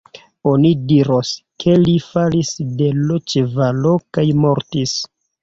Oni diros, ke li falis de l' ĉevalo kaj mortis.